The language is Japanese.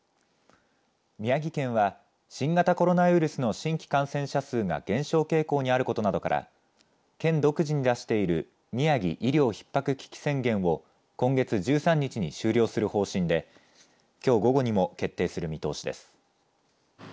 宮城県は新型コロナウイルスの新規感染者数が減少傾向にあることなどから県独自に出しているみやぎ医療ひっ迫危機宣言を今月１３日に終了する方針できょう午後にも決定する見通しです。